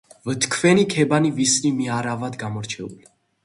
ვთქვენი ქებანი ვისნი მე არ-ავად გამორჩეული.